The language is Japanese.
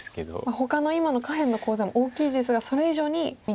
ほかの今の下辺のコウ材も大きいですがそれ以上に右下ですね。